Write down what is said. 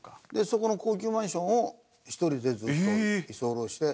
そこの高級マンションを一人でずっと居候して。